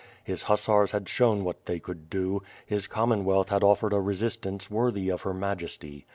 His hus sars had shown what they could do, his Commonwealth had offered a resistance worthy of her majesty.